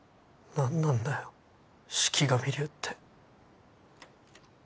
何なんだよ四鬼神流って。